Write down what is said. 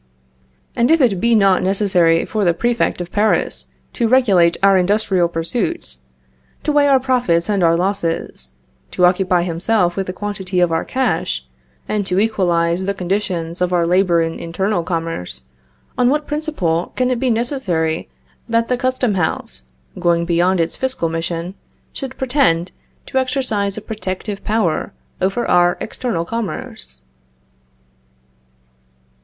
And if it be not necessary for the prefect of Paris to regulate our industrial pursuits, to weigh our profits and our losses, to occupy himself with the quantity of our cash, and to equalize the conditions of our labor in internal commerce, on what principle can it be necessary that the custom house, going beyond its fiscal mission, should pretend to exercise a protective power over our external commerce?